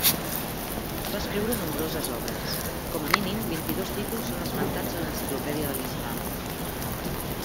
Va escriure nombroses obres com a mínim vint-i-dos títols són esmentats a l'Enciclopèdia de l'Islam.